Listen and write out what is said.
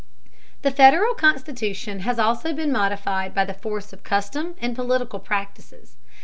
The Federal Constitution has also been modified by the force of custom and political practices.